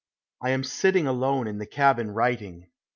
I am sitting alone in the cabin writing.